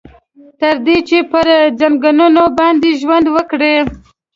تر دې چې پر ځنګنونو باندې ژوند وکړي.